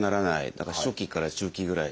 だから初期から中期ぐらい。